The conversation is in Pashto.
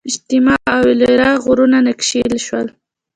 اجنتا او ایلورا غارونه نقاشي شول.